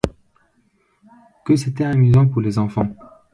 Que c’était amusant pour les enfants.